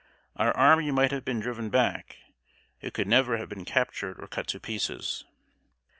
Our army might have been driven back; it could never have been captured or cut to pieces.